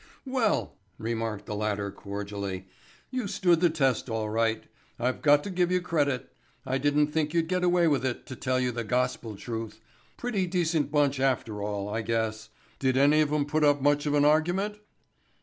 "Well," remarked the latter cordially, "you stood the test, all right. I've got to give you credit. I didn't think you'd get away with it, to tell you the gospel truth. Pretty decent bunch after all, I guess. Did any of 'em put up much of an argument?"